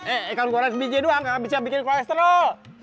eh ikan goreng sendiri aja doang kagak bisa bikin kolesterol